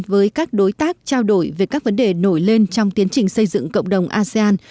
với các đối tác trao đổi về các vấn đề nổi lên trong tiến trình xây dựng cộng đồng asean